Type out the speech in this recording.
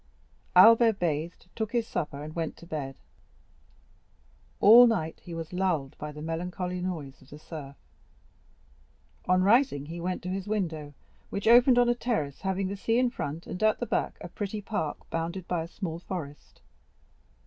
Albert bathed, took his supper, and went to bed. All night he was lulled by the melancholy noise of the surf. On rising, he went to his window, which opened on a terrace, having the sea in front, and at the back a pretty park bounded by a small forest.